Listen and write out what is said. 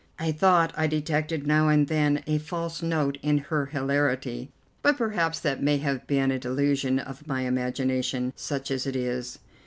I thought I detected now and then a false note in her hilarity, but perhaps that may have been a delusion of my imagination, such as it is.